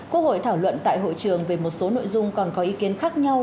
quốc hội thảo luận tại hội trường về một số nội dung còn có ý kiến khác nhau